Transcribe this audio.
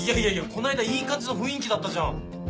この間いい感じの雰囲気だったじゃん！